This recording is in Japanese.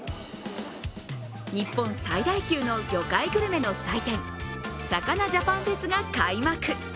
日本最大級の魚介グルメの祭典、魚ジャパンフェスが開幕。